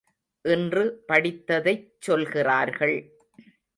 இன்று படித்ததைச் சொல்கிறார்கள்.